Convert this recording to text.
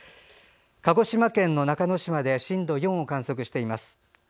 鹿児島県の中之島で震度４を観測しています。